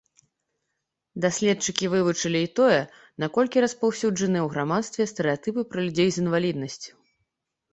Даследчыкі вывучылі і тое, наколькі распаўсюджаныя ў грамадстве стэрэатыпы пра людзей з інваліднасцю.